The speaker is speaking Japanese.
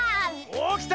おっきた！